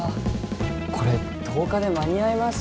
これ１０日で間に合います？